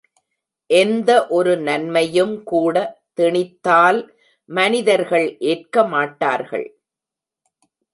எந்த ஒரு நன்மையும் கூட திணித்தால் மனிதர்கள் ஏற்கமாட்டார்கள்.